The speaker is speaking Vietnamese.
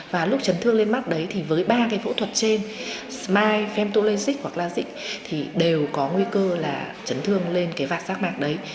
và lúc chấn thương lên mắt đấy thì với ba cái phẫu thuật trên smile femtologic hoặc là lichic thì đều có nguy cơ là chấn thương lên cái vạc xác bạc đấy